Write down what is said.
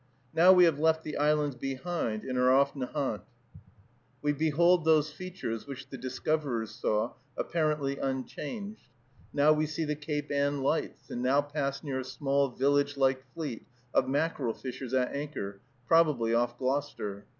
Now we have left the islands behind and are off Nahant. We behold those features which the discoverers saw, apparently unchanged. Now we see the Cape Ann lights, and now pass near a small village like fleet of mackerel fishers at anchor, probably off Gloucester.